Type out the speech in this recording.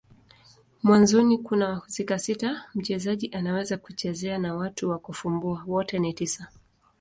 Mwanzoni kuna wahusika sita mchezaji anaweza kuchezea na watatu wa kufumbua. Wote ni tisa.